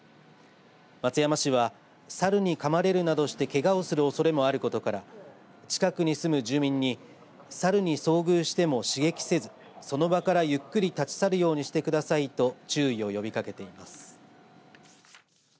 松山市はサルにかまれるなどしてけがをするおそれがあることから近くに住む住民にサルに遭遇しても刺激せずその場からゆっくり立ち去るようにしてくださいと注意を呼びかけています。